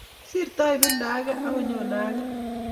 Sirtoi ibinda age ak nyoonei age.